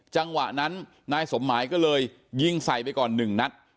จังหวะนั้นนายสมหมายก็เลยยิงใส่ไปก่อน๑นัด